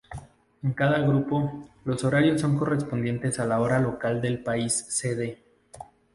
En cada grupo, los horarios son correspondientes a la hora local del país sede.